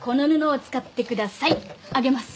あげます。